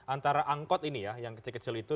antara angkot ini ya yang kecil kecil itu